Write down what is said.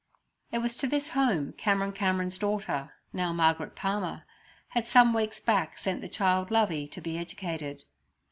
It was to this home Cameron Cameron's daughter, now Margaret Palmer, had some weeks back sent the child Lovey to be educated.